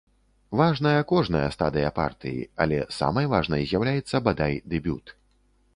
Важная кожная стадыя партыі, але самай важнай з'яўляецца, бадай, дэбют.